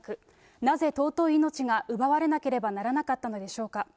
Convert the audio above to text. なぜ尊い命が奪われなければならなかったのでしょうか。